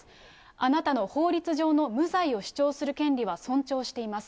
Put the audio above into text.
あなたの法律上の無罪を主張する権利は尊重しています。